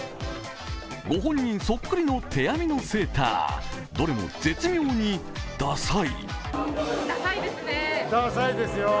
ご本人そっくりの手編みのセーター、どれも絶妙にダサい。